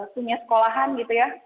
punya sekolahan gitu ya